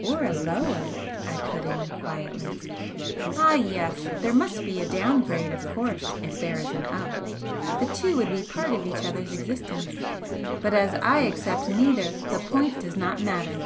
"Or a Lower," I put in, quietly. "Ah yes! There must be a Down grade, of course, if there is an Up. The two would be part of each other's existence. But as I accept neither, the point does not matter."